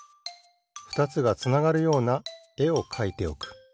ふたつがつながるようなえをかいておく。